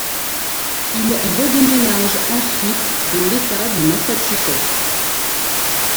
Ils re-déménagent ensuite dans l'état du Massachusetts.